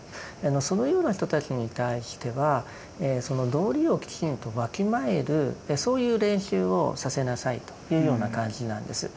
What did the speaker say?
そのような人たちに対しては道理をきちんとわきまえるそういう練習をさせなさいというような感じなんです。